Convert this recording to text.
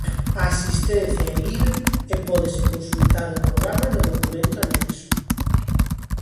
A asistencia é libre e pódese consultar o programa no documento anexo.